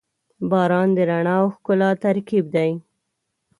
• باران د رڼا او ښکلا ترکیب دی.